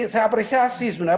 saya apresiasi sebenarnya